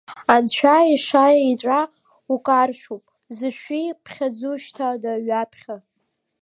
Анцәа иша еҵәа, укаршәуп, зышәиԥхьыӡушьҭада ҩаԥхьа?